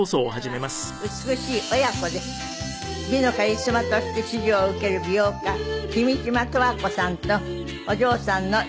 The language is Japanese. なんとこちらは美しい親子で美のカリスマとして支持を受ける美容家君島十和子さんとお嬢さんの憂樹さんです。